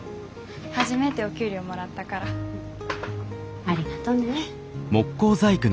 初めてお給料もらったから。ありがとね。